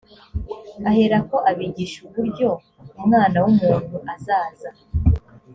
aherako abigisha uburyo umwana w’umuntu azaza